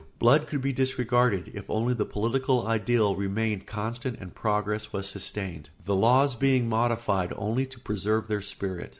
Blood could be disregarded, if only the political ideal remained constant and progress was sustained, the laws being modified only to preserve their spirit.